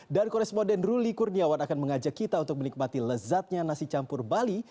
dan kores moden ruli kurniawan akan mengajak kita untuk menikmati lezatnya nasi campur bali